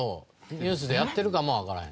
ニュースでやってるかもわからへん。